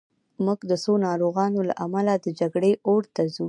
موږ د څو ناروغانو له امله د جګړې اور ته ځو